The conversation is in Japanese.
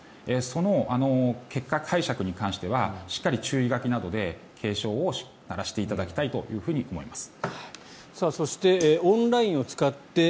その結果解釈に関してはしっかり注意書きなどで警鐘を鳴らしていただきたいと思います。